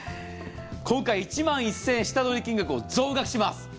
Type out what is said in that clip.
今回１万１０００円下取り金額を増額します。